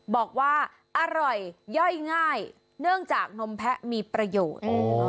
บอกว่าอร่อยย่อยง่ายเนื่องจากนมแพะมีประโยชน์